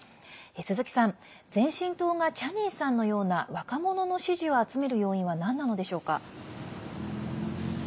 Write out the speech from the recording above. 鈴木さん、前進党がチャニンさんのような若者の支持を集める要因はなんなのでしょうか。